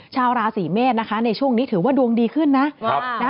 ชาวราศีเมษนะคะในช่วงนี้ถือว่าดวงดีขึ้นนะ